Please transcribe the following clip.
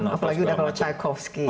apalagi udah kalau tchaikovsky